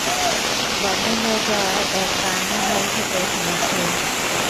বন্ধ হয়ে যাওয়া এক কার্নিভ্যাল থেকে কিনেছি।